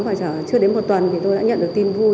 và chưa đến một tuần thì tôi đã nhận được tin vui